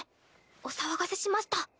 お騒がせしました。